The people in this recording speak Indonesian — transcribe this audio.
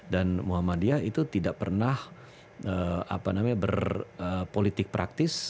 dan muhammadiyah itu tidak pernah berpolitik praktis